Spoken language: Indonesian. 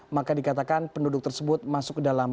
maka dikatakan penduduk tersebut masuk ke dalam